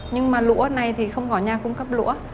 nhưng mà lũa này thì không có nhà cung cấp lũa